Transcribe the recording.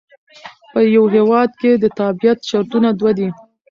په یوه هیواد کښي د تابیعت شرطونه دوه دي.